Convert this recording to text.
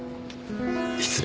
失礼。